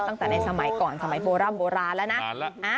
ตั้งแต่ในสมัยก่อนสมัยโบราณแล้วนะ